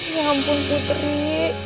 ya ampun putri